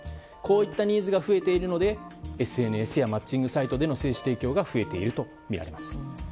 こういったニーズが増えているのでＳＮＳやマッチングサイトでの精子提供が増えているとみられます。